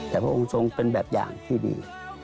แต่พระองค์ทรงเป็นแบบอย่างที่ดี